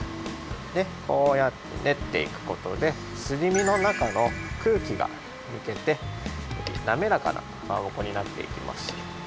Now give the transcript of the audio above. でこうやってねっていくことですり身のなかの空気がぬけてなめらかなかまぼこになっていきます。